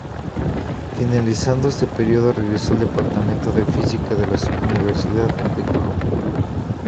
Finalizado este período regresó al Departamento de Física de la Universidad de Columbia.